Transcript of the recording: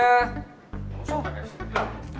ngusuk pake stick lah